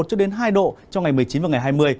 trong ngày một mươi chín và ngày hai mươi